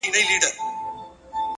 مهرباني له قهره پیاوړې اغېزه لري.!